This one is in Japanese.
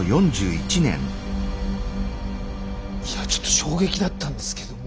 いやちょっと衝撃だったんですけども。